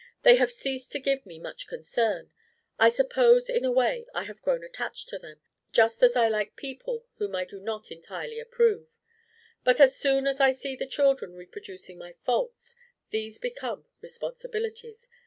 They have ceased to give me much concern. I suppose in a way I have grown attached to them, just as I like people whom I do not entirely approve. But as soon as I see the children reproducing my faults, these become responsibilities.